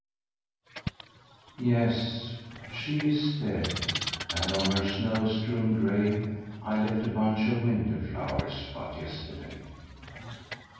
YES, she is dead, and on her snow strewn grave I left a bunch of winter flowers but yesterday.